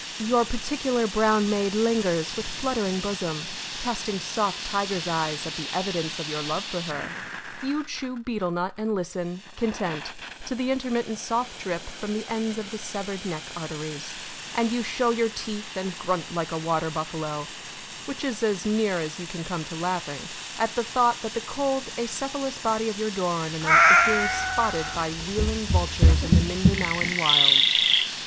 Your particular brown maid lingers, with fluttering bosom, casting soft tiger's eyes at the evidence of your love for her. You chew betel nut and listen, content, to the intermittent soft drip from the ends of the severed neck arteries. And you show your teeth and grunt like a water buffalo which is as near as you can come to laughing at the thought that the cold, acephalous body of your door ornament is being spotted by wheeling vultures in the Mindanaoan wilds.